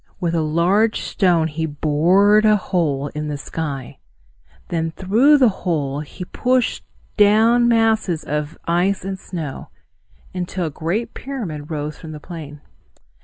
With a large stone he bored a hole in the sky. Then through the hole he pushed down masses of ice and snow, until a great pyramid rose from the plain.